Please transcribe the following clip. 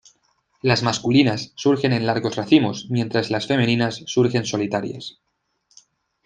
Las masculinas surgen en largos racimos, mientras las femeninas surgen solitarias.